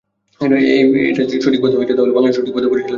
এটা যদি সঠিক পথে যায়, তাহলে বাংলাদেশও সঠিক পথে পরিচালিত হবে।